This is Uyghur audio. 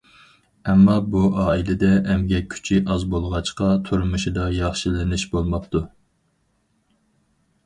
ئەمما بۇ ئائىلىدە ئەمگەك كۈچى ئاز بولغاچقا، تۇرمۇشىدا ياخشىلىنىش بولماپتۇ.